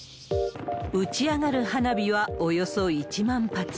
打ち上がる花火はおよそ１万発。